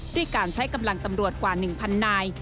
ด้วยการใช้กำลังตำรวจกว่า๑๐๐นาย